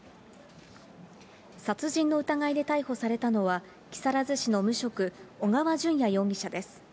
殺人の疑いで逮捕されたのは、木更津市の無職、小川順也容疑者です。